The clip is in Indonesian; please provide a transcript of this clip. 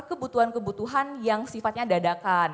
kebutuhan kebutuhan yang sifatnya dadakan